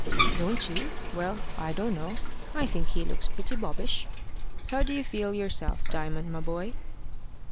"Don't you? Well, I don't know. I think he looks pretty bobbish. How do you feel yourself, Diamond, my boy?"